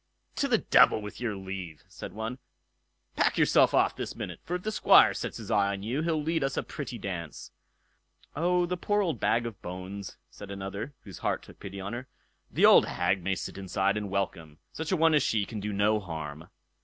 "To the devil with your leave", said one. "Pack yourself off this minute, for if the Squire sets his eye on you, he'll lead us a pretty dance." "Oh! the poor old bag of bones", said another, whose heart took pity on her, "the old hag may sit inside and welcome; such a one as she can do no harm."